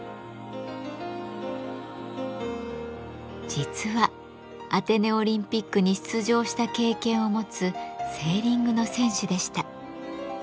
実はアテネオリンピックに出場した経験を持つセーリングの選手でした。